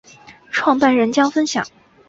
创办人将分享